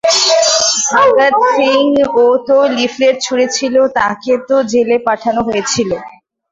ভাগাত সিং ও তো লিফলেট ছুড়েছিল, তাকে তো জেলে পাঠানো হয়েছিল।